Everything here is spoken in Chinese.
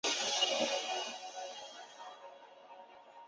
原票的颜色以红色为主。